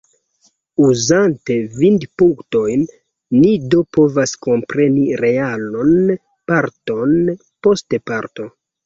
Uzante vidpunktojn, ni do povas kompreni realon parton post parto.